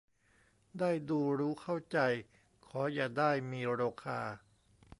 ได้ดูรู้เข้าใจ ขออย่าได้มีโรคา